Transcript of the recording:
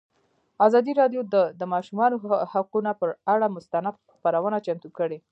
ازادي راډیو د د ماشومانو حقونه پر اړه مستند خپرونه چمتو کړې.